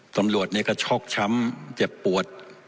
ตำรวจก็ช็อกช้ำเจ็บปวด